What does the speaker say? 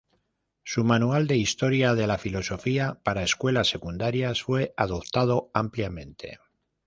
Su manual de historia de la filosofía para escuelas secundarias fue adoptado ampliamente.